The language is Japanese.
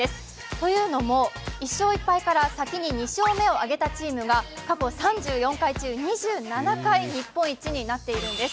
というのも１勝１敗から先に２勝目を挙げたチームが過去３２回中２７回日本一になっているんです。